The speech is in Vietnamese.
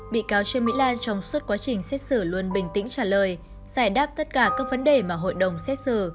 bị cáo trương mỹ lan trong suốt quá trình xét xử luôn bình tĩnh trả lời giải đáp tất cả các vấn đề mà hội đồng xét xử